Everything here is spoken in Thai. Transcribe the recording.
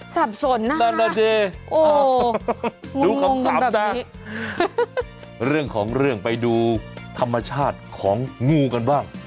สับสนนะนั่นดูขับเรื่องไปดูธรรมชาติของงูกันบ้าง